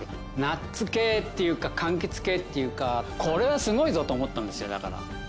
ナッツ系っていうかかんきつ系っていうか「これはすごいぞ！」と思ったんですよだから。